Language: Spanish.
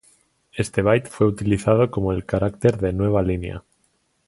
Este byte fue utilizado como el carácter de nueva línea.